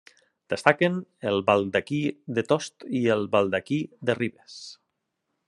Destaquen el Baldaquí de Tost i el Baldaquí de Ribes.